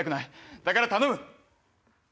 だから頼む！